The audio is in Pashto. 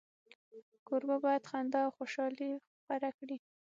کوربه باید خندا او خوشالي خپره کړي.